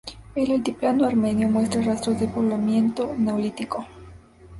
El altiplano armenio muestra rastros de poblamiento neolítico.